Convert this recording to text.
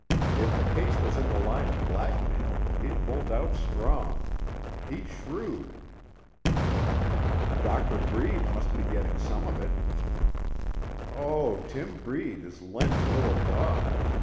If the case was in the line of blackmail, he'd hold out strong. He's shrewd." "Doctor Breed must be getting some of it." "Oh, Tim Breed is Len's little dog.